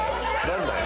何だよ？